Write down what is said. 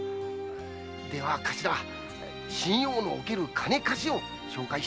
では頭信用のおける金貸しを紹介してくれんか。